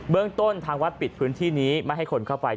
เรื่องต้นทางวัดปิดพื้นที่นี้ไม่ให้คนเข้าไป